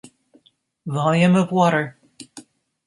Volume of Water